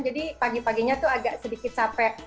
pagi paginya tuh agak sedikit capek